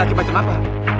laki laki macam apa